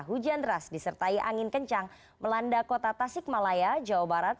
hujan deras disertai angin kencang melanda kota tasik malaya jawa barat